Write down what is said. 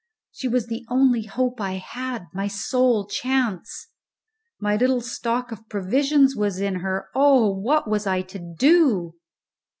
She was the only hope I had my sole chance. My little stock of provisions was in her oh, what was I to do?